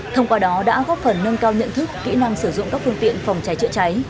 thông qua đó đã góp phần nâng cao nhận thức kỹ năng sử dụng các phương tiện phòng cháy chữa cháy